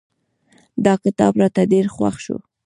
دا کتاب راته ډېر خوښ شو.